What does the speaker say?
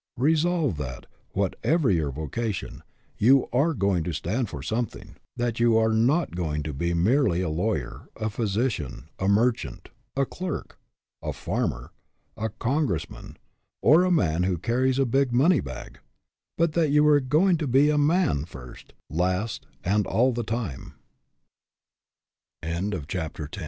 Resolve that, whatever your vocation, you are going to stand for something ; that you are 144 STAND FOR SOMETHING not going to be merely a lawyer, a physi cian, a merchant, a clerk, a farmer, a congress man, or a man who carries a big money bag; but that you are going to be a man first, last, and al